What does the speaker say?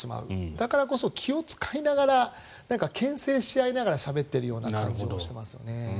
だからこそ気を使いながらけん制し合いながらしゃべっているような感じもしてますよね。